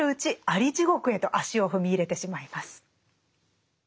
アリ地獄へと足を踏み入れてしまいます。